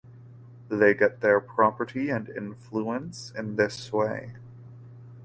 They get their property and influence in this way.